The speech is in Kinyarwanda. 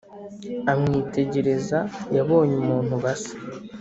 amwitegereza yabonye umuntu basa